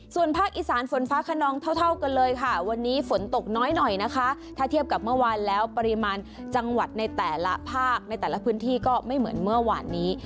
ส่วนภาคอีสานฝนฟ้าขนองเท่ากันเลยค่ะวันนี้ฝนตกน้อยหน่อยนะคะถ้าเทียบกับเมื่อวานแล้วปริมาณจังหวัดในแต่ละภาคในแต่ละพื้นที่ก็ไม่เหมือนเมื่อวานนี้